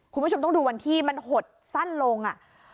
คุณผู้ชมต้องดูวันที่มันหดสั้นลงอ่ะ